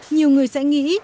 nhiều người sẽ nghĩ